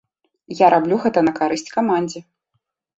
Я раблю гэта на карысць камандзе.